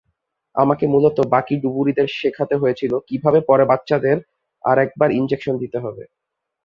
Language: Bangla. আমাকে মূলত বাকি ডুবুরিদের শেখাতে হয়েছিল কীভাবে পরে বাচ্চাদের আর একবার ইনজেকশন দিতে হবে।